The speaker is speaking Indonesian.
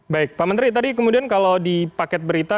baik pak menteri tadi kemudian kalau di paket berita